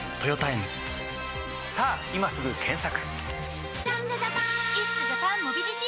さぁ今すぐ検索！